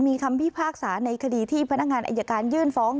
มีคำพิพากษาในคดีที่พนักงานอายการยื่นฟ้อง